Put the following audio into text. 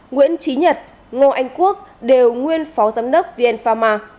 nguyễn trí nhật ngô anh quốc đều nguyên phó giám đốc vn pharma